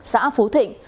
xã phú thịnh